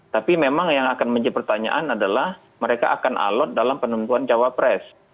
tapi memang yang akan menjadi pertanyaan adalah mereka akan alot dalam penemuan jawab pres